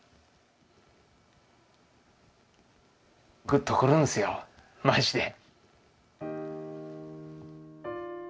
ぐっとくるんすよマジで。